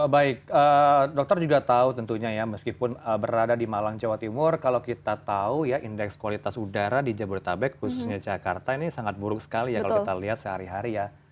baik dokter juga tahu tentunya ya meskipun berada di malang jawa timur kalau kita tahu ya indeks kualitas udara di jabodetabek khususnya jakarta ini sangat buruk sekali ya kalau kita lihat sehari hari ya